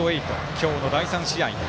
今日の第３試合。